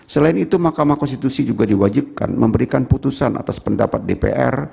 selain itu mahkamah konstitusi juga diwajibkan memberikan putusan atas pendapat dpr